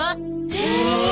へえ！